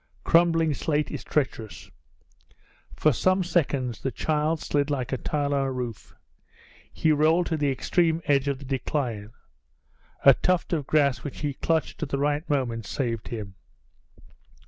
Crumbling slate is treacherous. For some seconds the child slid like a tile on a roof; he rolled to the extreme edge of the decline; a tuft of grass which he clutched at the right moment saved him.